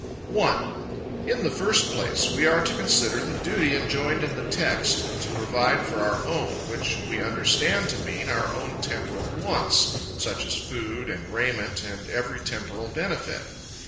1. In the first place, we are to consider the duty enjoined in the text, to provide for our own: which we understand to mean our own temporal wants, such as food and raiment and every temporal benefit.